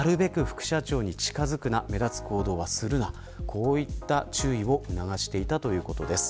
こういった注意を促していたということです。